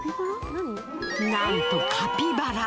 なんとカピバラ。